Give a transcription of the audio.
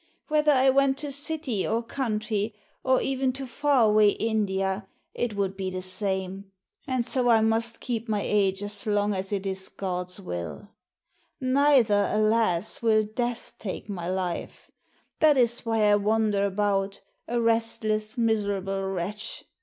Whether I went to city or country or even to far away India, it €i}t ^axbontt'B 'tcKh 107 would be the same; and so I must keep my age as long as it is God's will. Neither, alas, will Death take my life. That is why I wander about, a restless, miserable wretch.